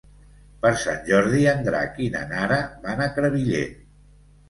Per Sant Jordi en Drac i na Nara van a Crevillent.